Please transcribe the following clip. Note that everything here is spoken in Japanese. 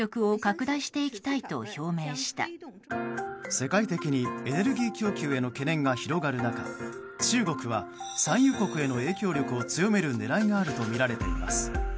世界的にエネルギー供給への懸念が広がる中中国は産油国への影響力を強める狙いがあるとみられます。